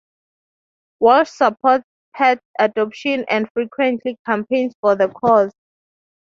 Walsh supports pet adoption and frequently campaigns for the cause.